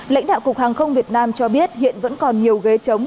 lãnh đạo cục hàng không việt nam cho biết hiện vẫn còn nhiều ghế chống